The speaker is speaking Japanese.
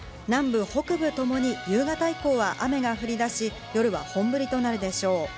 南部、北部ともに夕方以降は雨が降り出し、夜は本降りとなるでしょう。